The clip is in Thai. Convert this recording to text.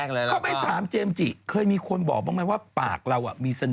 บีสุกิรกลับเต้นอะใช่อ๋อ